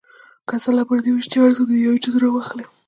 که سلا پر دې وشي چې هر څوک دې یو جز راواخلي.